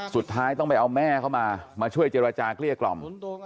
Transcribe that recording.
สุดท้ายต้องไปเอาแม่เข้ามามาช่วยเจรจาเกลี้ยกล่อม